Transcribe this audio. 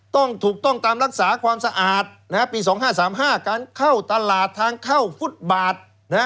ถูกต้องตามรักษาความสะอาดปี๒๕๓๕การเข้าตลาดทางเข้าฟุตบาท